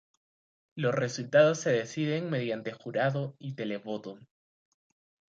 Los resultados se deciden mediante jurado y televoto.